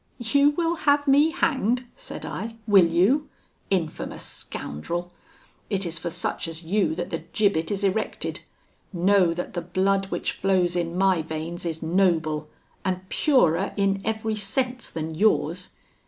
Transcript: "'You will have me hanged,' said I, 'will you? Infamous scoundrel! it is for such as you that the gibbet is erected. Know that the blood which flows in my veins is noble, and purer in every sense than yours.